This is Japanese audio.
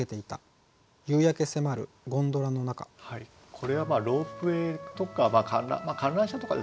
これはまあロープウエーとか観覧車とかですかね。